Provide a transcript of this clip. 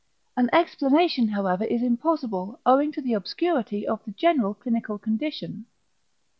An explanation however is impossible owing to the obscurity of the general clinical condition.